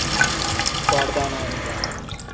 পর্দা নাই।